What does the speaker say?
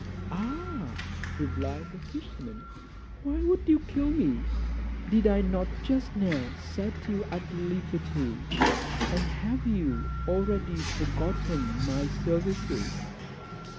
"Ah!" replied the fisherman, "why would you kill me? Did I not just now set you at liberty, and have you already forgotten my services?"